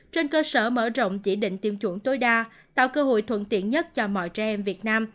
trên cơ sở mở rộng chỉ định tiêm chủng tối đa tạo cơ hội thuận tiện nhất cho mọi trẻ em việt nam